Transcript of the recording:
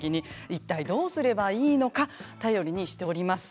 いったいどうすればいいのか頼りにしております